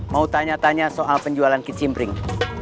mau tanya tanya soal penjualan kicimpring